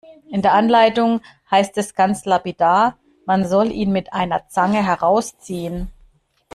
In der Anleitung heißt es ganz lapidar, man soll ihn mit einer Zange herausziehen.